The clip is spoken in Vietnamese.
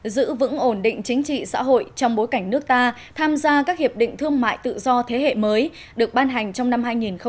giữ vững ổn định chính trị xã hội trong bối cảnh nước ta tham gia các hiệp định thương mại tự do thế hệ mới được ban hành trong năm hai nghìn một mươi tám